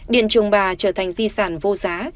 điện trường bà trở thành di sản vô giá